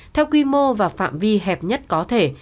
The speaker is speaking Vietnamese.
theo quy mô và phạm vi hẹp nhất có thể